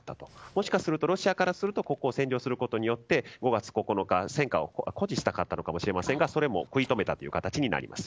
もしかするとロシアからするとここを占領することで５月９日のことを誇示したかったのかもしれませんがそれも食い止めた形になります。